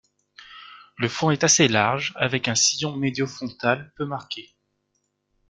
Le front est assez large, avec un sillon médiofrontal peu marqué.